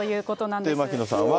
で、牧野さんは。